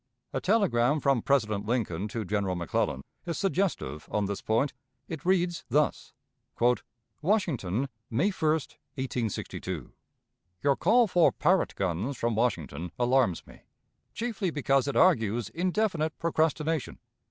A telegram from President Lincoln to General McClellan is suggestive on this point. It reads thus: "WASHINGTON, May 1, 1862. "Your call for Parrott guns from Washington alarms me chiefly because it argues indefinite procrastination.